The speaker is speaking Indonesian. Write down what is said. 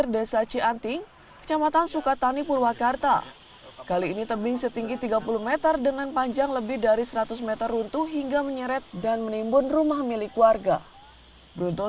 satwa satwa tersebut merupakan hewan hewan yang dilindungi oleh pemerintah